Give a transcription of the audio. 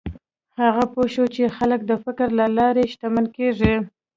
هغه پوه شو چې خلک د فکر له لارې شتمن کېږي.